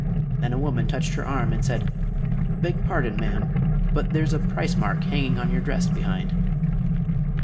Then a woman touched her arm and said: "Beg pardon, ma'am; but there's a price mark hanging on your dress behind."